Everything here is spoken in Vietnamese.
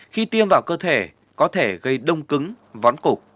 khi tiêm vào cơ thể có thể gây ra một bộ phận nào đó